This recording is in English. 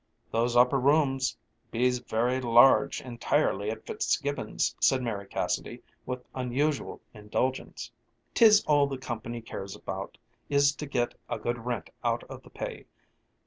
"Those upper rooms bees very large entirely at Fitzgibbon's," said Mary Cassidy with unusual indulgence. "'Tis all the company cares about is to get a good rent out of the pay.